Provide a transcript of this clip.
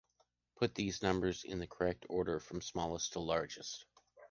Put these number in the correct order from smallest to largest.